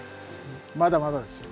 まだまだですよ。